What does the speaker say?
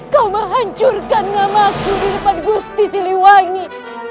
kau menghancurkan nama aku di depan gusti siliwangi